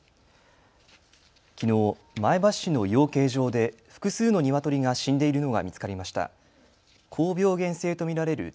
きのう、前橋市の養鶏場で複数のニワトリが死んでいるのが見つかりました。